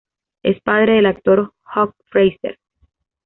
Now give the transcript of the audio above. Es padre del actor Hugh Fraser.